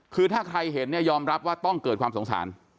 คือถ้าใครเห็นเนี่ยยอมรับว่าต้องเกิดความสงสาร